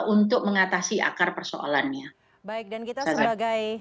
untuk mengatasi akar persoalannya baik dan kita sebagai